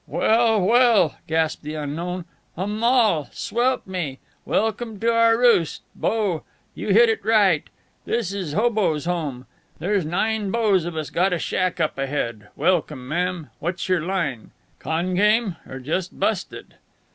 "Well, well," gasped the unknown, "a moll, swelp me! Welcome to our roost, 'bo! You hit it right. This is Hoboes' Home. There's nine 'boes of us got a shack up ahead. Welcome, ma'am. What's your line? Con game or just busted?"